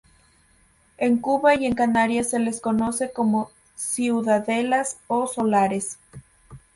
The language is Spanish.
En Cuba y en Canarias se les conoce como "ciudadelas" o "solares".